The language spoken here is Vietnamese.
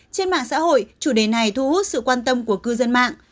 trên mạng xã hội chủ đề này thu hút sự quan tâm của cư dân mạng